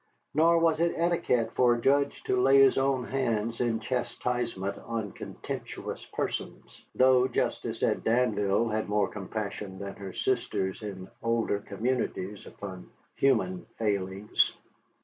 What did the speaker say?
Nor was it etiquette for a judge to lay his own hands in chastisement on contemptuous persons, though Justice at Danville had more compassion than her sisters in older communities upon human failings.